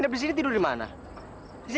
rusak dajara kamu tidur dimana di sini